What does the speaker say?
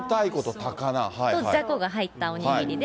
じゃこが入ったお握りで。